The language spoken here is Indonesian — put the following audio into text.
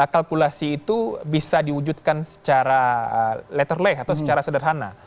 kalkulasi itu bisa diwujudkan secara letterlay atau secara sederhana